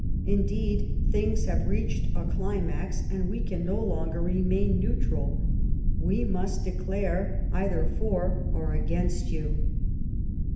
Indeed, things have reached a climax, and we can no longer remain neutral ; we must declare either for or against you."